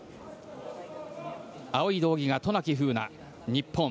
青い道着が渡名喜風南、日本。